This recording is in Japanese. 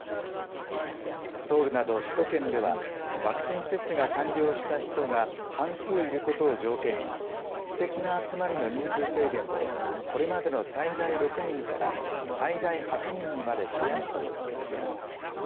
ソウルなど首都圏ではワクチン接種が完了した人が半数いることを条件に私的な集まりの人数制限をこれまでの最大６人から最大８人にまで増やすということです。